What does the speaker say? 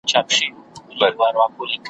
زما د پنځو ورځو پسرلي ته سترګي مه نیسه `